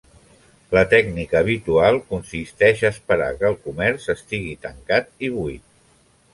La tècnica habitual consisteix a esperar que el comerç estigui tancat i buit.